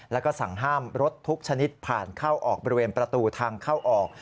แล้วก็สั่งห้ามรถทุกชนิดผ่านเข้าออกบริเวณประตูทางเข้าออก